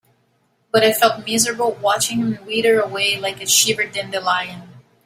But I felt miserable watching him wither away like a shriveled dandelion.